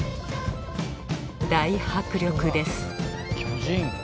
大迫力です